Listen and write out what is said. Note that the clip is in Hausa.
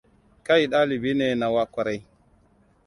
Kai dalibi ne na kwarai.